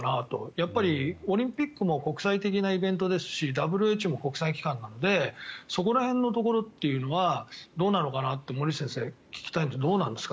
やっぱりオリンピックも国際的なイベントですしＷＨＯも国際機関なのでそこら辺のところっていうのはどうなのかなって森内先生に聞きたいんですけどどうなんですか？